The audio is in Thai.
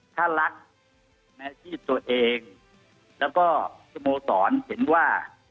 ถ้ารักในอาชีพตัวเองแล้วก็สโมสรเห็นว่า